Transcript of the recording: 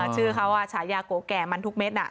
ชื่อเขาฉายาโกะแก่มันทุกเม็ด